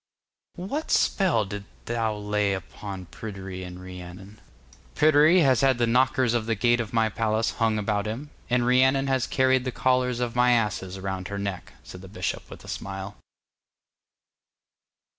'What spell didst thou lay upon Pryderi and Rhiannon?' 'Pryderi has had the knockers of the gate of my palace hung about him, and Rhiannon has carried the collars of my asses around her neck,' said the bishop with a smile.